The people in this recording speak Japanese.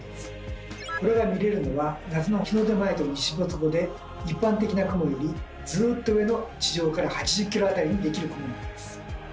これが見れるのは夏の日の出前と日没後で一般的な雲よりずっと上の地上から８０ｋｍ辺りにできる雲なんです。